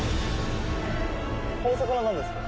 この魚何ですか？